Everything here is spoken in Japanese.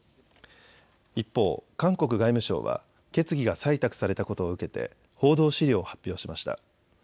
一方、韓国外務省は決議が採択されたことを受けて報道資料を発表しました。